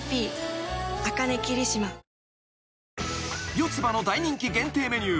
［四つ葉の大人気限定メニュー